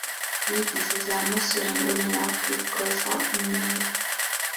yigize za masore ngo ntiyakwikoza umweyo.